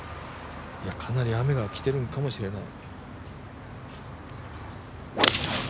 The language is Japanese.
かなり雨がきてるのかもしれない。